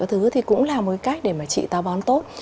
thì cũng là một cái cách để mà trị táo bón tốt